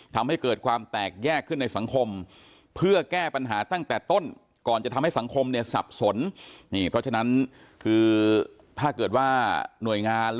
ทำให้เกิดความแตกแยกขึ้นในสังคมเพื่อแก้ปัญหาตั้งแต่ต้น